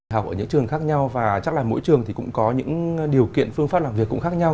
học ở những trường khác nhau và chắc là mỗi trường thì cũng có những điều kiện phương pháp làm việc cũng khác nhau